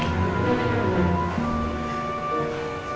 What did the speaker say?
tolong kamu jangan tambahkan masalah saya lagi